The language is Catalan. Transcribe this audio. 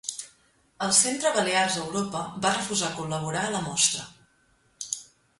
El Centre Balears Europa va refusar col·laborar a la mostra.